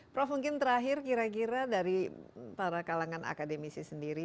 prof mungkin terakhir kira kira dari para kalangan akademisi sendiri